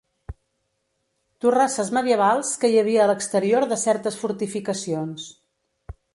Torrasses medievals que hi havia a l'exterior de certes fortificacions.